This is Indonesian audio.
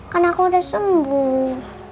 karena aku udah sembuh